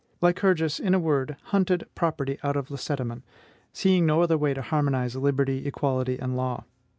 Lycurgus, in a word, hunted property out of Lacedaemon, seeing no other way to harmonize liberty, equality, and law.